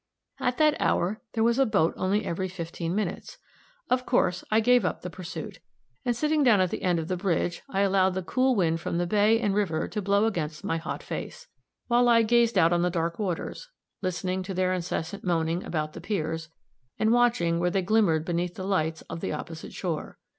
At that hour there was a boat only every fifteen minutes; of course I gave up the pursuit; and sitting down at the end of the bridge, I allowed the cool wind from the bay and river to blow against my hot face, while I gazed out on the dark waters, listening to their incessant moaning about the piers, and watching where they glimmered beneath the lights of the opposite shore.